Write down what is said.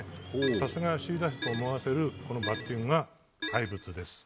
さすが首位打者と思わせるバッティングが怪物です。